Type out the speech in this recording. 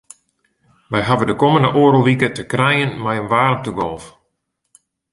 Wy hawwe de kommende oardel wike te krijen mei in waarmtegolf.